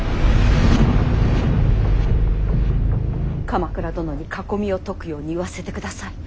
鎌倉殿に囲みを解くように言わせてください。